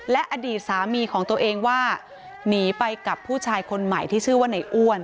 และอดีตสามีของตัวเองว่าหนีไปกับผู้ชายคนใหม่ที่ชื่อว่าในอ้วน